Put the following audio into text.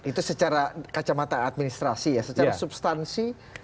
itu secara kacamata administrasi ya secara substansi